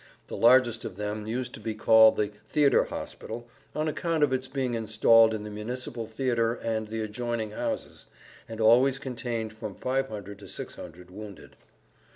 The largest of them used to be called the "theater hospital," on account of its being installed in the municipal theater and the adjoining houses, and always contained from 500 to 600 wounded.